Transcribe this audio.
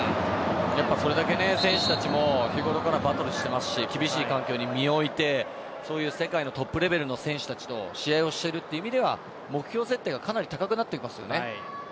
それだけ選手たちも日頃からバトルしていますし厳しい環境に身を置いてそういう世界のトップレベルの選手たちと試合をしているという意味では目標設定がかなり高くなっていますよね。